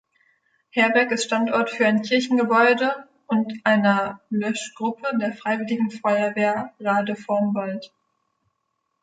Herbeck ist Standort für ein Kirchengebäude und einer Löschgruppe der Freiwilligen Feuerwehr Radevormwald.